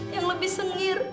yang lebih sengir